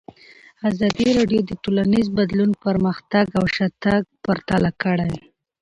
ازادي راډیو د ټولنیز بدلون پرمختګ او شاتګ پرتله کړی.